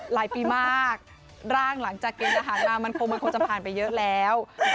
หลายปีมากร่างหลังจากเกณฑ์ทหารมามันคงมันคงจะผ่านไปเยอะแล้ว